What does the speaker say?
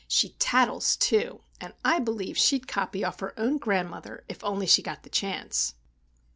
She tattles, too, and I believe she'd copy off her own grandmother, if only she got the chance."